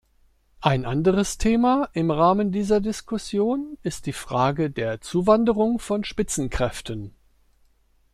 Ein anderes Thema im Rahmen dieser Diskussion ist die Frage der Zuwanderung von Spitzenkräften.